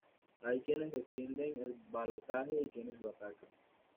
Hay quienes defienden el balotaje y quienes lo atacan.